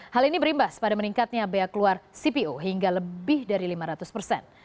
hal ini berimbas pada meningkatnya bea keluar cpo hingga lebih dari lima ratus persen